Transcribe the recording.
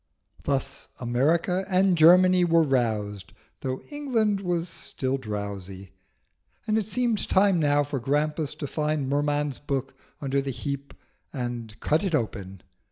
Thus America and Germany were roused, though England was still drowsy, and it seemed time now for Grampus to find Merman's book under the heap and cut it open.